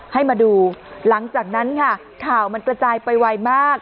ให้มาดูหลังจากนั้นค่ะข่าวมันกระจายไปไวมาก